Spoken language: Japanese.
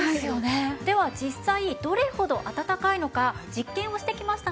では実際どれほどあたたかいのか実験をしてきました。